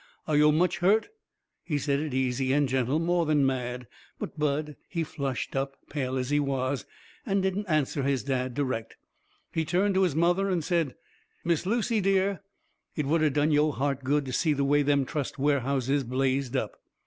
Are yo' much hurt?" He said it easy and gentle, more than mad. But Bud, he flushed up, pale as he was, and didn't answer his dad direct. He turned to his mother and said: "Miss Lucy, dear, it would 'a' done yo' heart good to see the way them trust warehouses blazed up!"